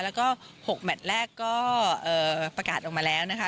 แล้วก็๖แมทแรกก็ประกาศออกมาแล้วนะคะ